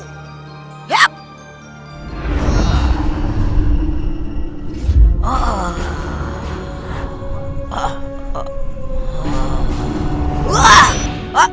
kamu berkeliaran dengan menyerupai aku